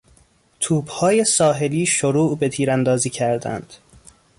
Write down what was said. توپهای ساحلی شروع به تیراندازی کردند.